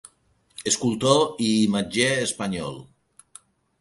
Escultor i imatger espanyol.